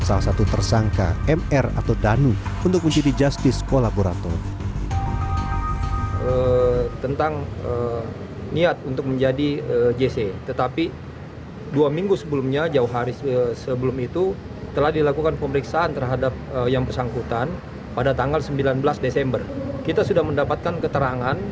salah satu tersangka mr atau danu untuk menjadi justice kolaborator